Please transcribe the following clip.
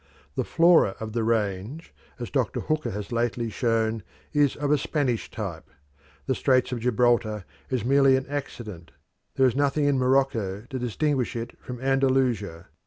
The flora of the range, as Dr. Hooker has lately shown, is of a Spanish type; the Straits of Gibraltar is merely an accident; there is nothing in Morocco to distinguish it from Andalusia.